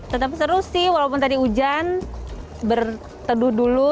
tetap seru sih walaupun tadi hujan berteduh dulu